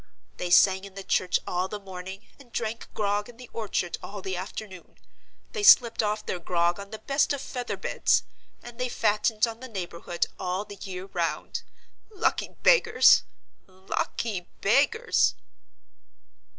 They sang in the church all the morning, and drank grog in the orchard all the afternoon. They slept off their grog on the best of feather beds, and they fattened on the neighborhood all the year round. Lucky beggars! lucky beggars!"